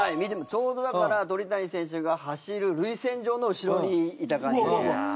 ちょうどだから鳥谷選手が走る塁線上の後ろにいた感じですね。